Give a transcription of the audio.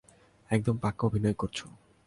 একদম পাক্কা অভিনয় করছো!